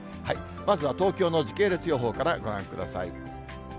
まずは東京の時系列予報からご覧ください。